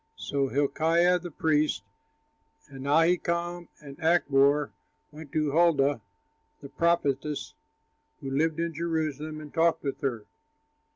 So Hilkiah, the priest, and Ahikam and Achbor went to Huldah, the prophetess, who lived in Jerusalem and talked with her.